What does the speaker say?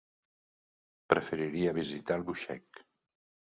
Preferiria visitar Albuixec.